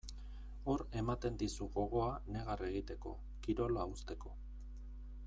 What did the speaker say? Hor ematen dizu gogoa negar egiteko, kirola uzteko.